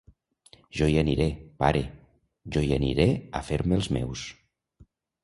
Jo hi aniré, pare, jo hi aniré a fer-me'ls meus.